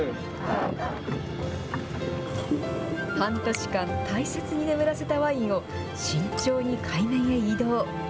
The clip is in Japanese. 半年間大切に眠らせたワインを、慎重に海面へ移動。